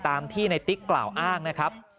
ตามที่ในติ๊กกล่าวอ้างนะครับ